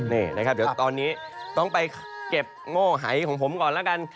เดี๋ยวตอนนี้ต้องไปเก็บโม้ไหวของผมก่อนแล้วกัน